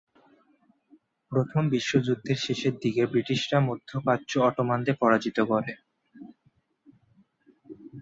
প্রথম বিশ্বযুদ্ধের শেষের দিকে ব্রিটিশরা মধ্যপ্রাচ্যে অটোমানদের পরাজিত করে।